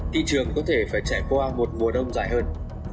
thị trường có thể phải trải qua một mùa đông dài hơn